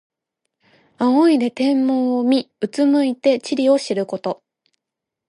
仰いで天文を見、うつむいて地理を知ること。